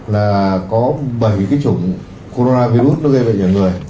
là có bảy cái chủng coronavirus nó gây bệnh ở người